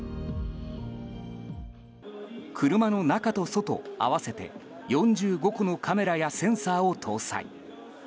車の中と外、合わせて４５個のカメラやセンサーを搭載。